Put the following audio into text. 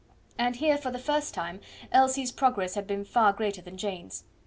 And here for the first time Elsie's progress had been far greater than Jane's.